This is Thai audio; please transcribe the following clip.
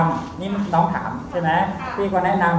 เอาอย่างนี้บอกสื่อลูกสื่อผู้เสียหายที่ได้มีการทำแบบนี้